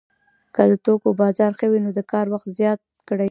که د توکو بازار ښه وي نو د کار وخت زیات کړي